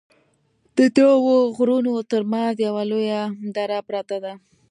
ددوو غرونو تر منځ یوه لویه دره پراته ده